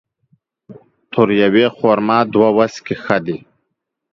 تر يوې خرما ، دوې وڅکي ښه دي